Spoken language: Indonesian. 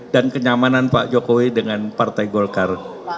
dan kenyamanan pak jokowi dengan partai golkar